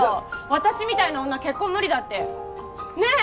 私みたいな女結婚無理だってねえ？